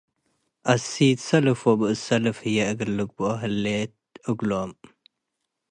እሲት ሰልፍ ወብእስ ሰልፍ ህዬ እግል ልግብኦ ህሌት እግሎም ።